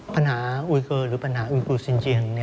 ปัญหาอุยเกิร์นหรือปัญหาอุยกุศินเจียง